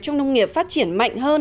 trong nông nghiệp phát triển mạnh hơn